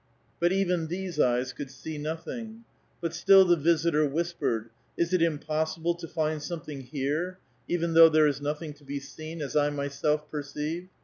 But even these eyes could see nothing ; but still the ''visi tor" whispered, " Is it impossible to find something here, even though there is nothiug to be seen, as I myself perceive?